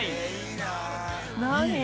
何？